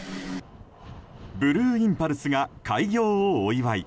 ブルーインパルスが開業をお祝い。